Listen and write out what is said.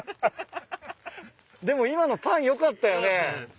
でも今のパン良かったよね。